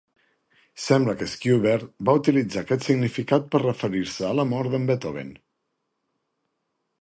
Sembla que Schubert va utilitzar aquest significat per referir-se a la mort de Beethoven.